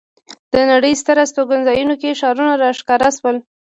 د نړۍ ستر استوګنځایونو کې ښارونه را ښکاره شول.